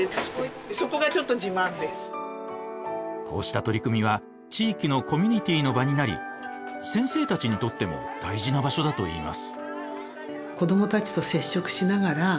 こうした取り組みは地域のコミュニティーの場になり先生たちにとっても大事な場所だといいます。